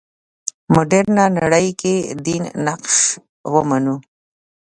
مډرنه نړۍ کې دین نقش ومنو.